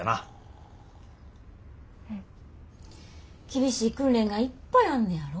厳しい訓練がいっぱいあんねやろ。